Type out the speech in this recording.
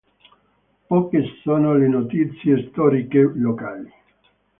Poche sono le notizie storiche locali.